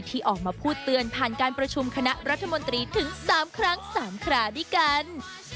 ที่ออกมาพูดเตือนผ่านการประชุมคณะรัฐมนตรีถึง๓ครั้ง๓คราด้วยกัน